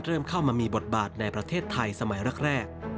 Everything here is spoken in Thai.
เริ่มเข้ามามีบทบาทในประเทศไทยสมัยแรก